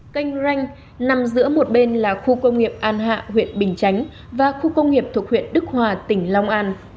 canh ranh nằm giữa một bên là khu công nghiệp an hạ huyện bình chánh và khu công nghiệp thuộc huyện đức hòa tỉnh long an